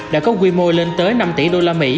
đã có quy mô lên tới năm tỷ usd